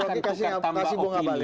tukar tambah opini